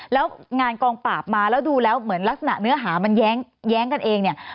แล้วงานกองปราบมาแล้วดูแล้วเหมือนลักษณะเนื้อหามันแย้งกันเองเนี่ย